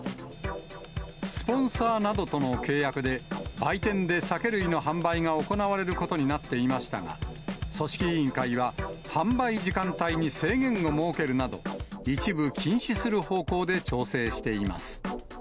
スポンサーなどとの契約で、売店で酒類の販売が行われることになっていましたが、組織委員会は販売時間帯に制限を設けるなど、一部、禁止する方向で調整しています。